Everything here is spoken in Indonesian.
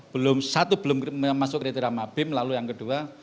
belum satu belum masuk kriteria mabim lalu yang kedua